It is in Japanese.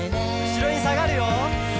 「後ろにさがるよ」